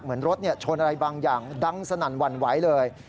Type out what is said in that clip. เหมือนรถชนอะไรบางอย่างดังสนั่นหวั่นไหวเลย